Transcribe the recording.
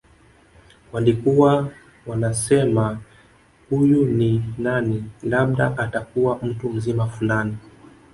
Walikuwa wanasema huyu ni nani labda atakuwa mtu mzima fulani